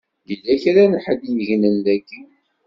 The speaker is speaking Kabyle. Yella kra n ḥedd i yegnen daki.